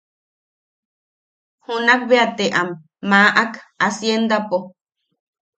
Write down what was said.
Junak bea te am maʼak haciendapo.